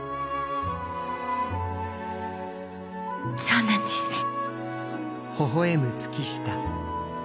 そうなんですね。